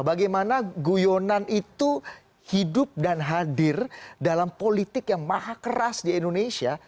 bagaimana guyonan itu hidup dan hadir dalam politik yang maha keras di indonesia